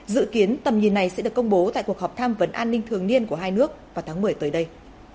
dự kiến tầm nhìn này sẽ được công bố tại cuộc họp tham vấn an ninh thường niên của hai nước vào tháng một mươi tới đây